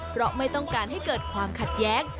เพราะไม่ต้องการให้เกิดความขัดแย้ง